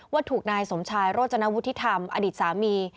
ว่าถูกนายสมชายโรจนวุฒิธรรมอดีตสามี